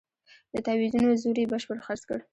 د تاویزونو زور یې بشپړ خرڅ کړ.